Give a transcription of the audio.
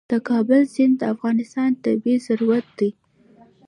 د کابل سیند د افغانستان طبعي ثروت دی.